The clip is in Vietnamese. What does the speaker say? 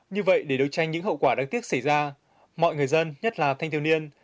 như vậy để đấu tranh những hậu quả đáng tiếc xảy ra mọi người dân nhất là thanh thiếu niên